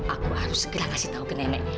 aku harus segera kasih tahu ke nenek